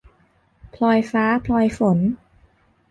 พลอยฟ้าพลอยฝน